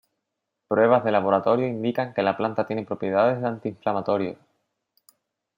Pruebas de laboratorio indican que la planta tiene propiedades de antiinflamatorio.